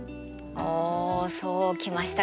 おそう来ましたか。